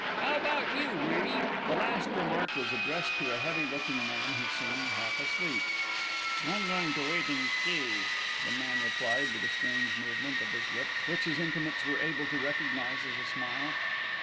'Ow about you, Weary?" The last remark was addressed to a heavy looking man who seemed half asleep. "I'm goin' to wait an' see," the man replied, with a strange movement of his lips, which his intimates were able to recognise as a smile.